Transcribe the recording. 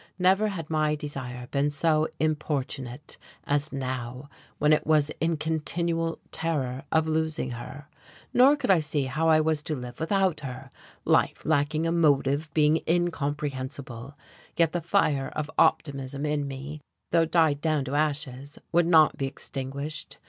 Never had my desire been so importunate as now, when I was in continual terror of losing her. Nor could I see how I was to live without her, life lacking a motive being incomprehensible: yet the fire of optimism in me, though died down to ashes, would not be extinguished.